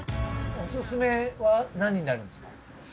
オススメは何になるんですか？